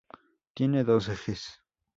Tiene dos ejes.